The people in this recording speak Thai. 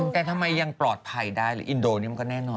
แต่ทำไมยังปลอดภัยได้เลยอินโดนีมก็แน่นหน่อย